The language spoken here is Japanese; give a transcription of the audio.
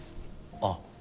ああ。